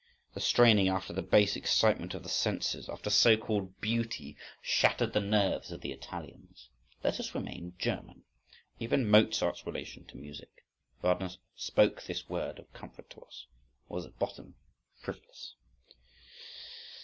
The straining after the base excitement of the senses, after so called beauty, shattered the nerves of the Italians: let us remain German! Even Mozart's relation to music—Wagner spoke this word of comfort to us—was at bottom frivolous.